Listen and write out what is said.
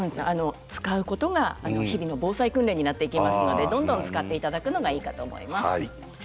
使うことが日々の防災訓練にもなるのでどんどん使っていただくのがいいと思います。